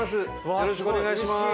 よろしくお願いします。